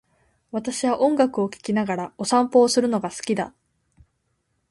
私は音楽を聴きながらお散歩をするのが好きだ。